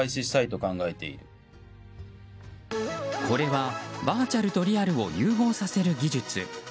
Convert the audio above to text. これは、バーチャルとリアルを融合させる技術。